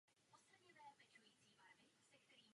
Evropa potřebuje, aby Evropská unie měla rozpočet.